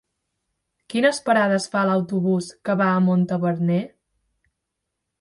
Quines parades fa l'autobús que va a Montaverner?